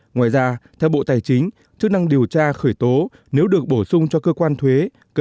ngoài ra theo bộ tài chính chức năng điều tra khởi tố nếu được bổ sung cho cơ quan thuế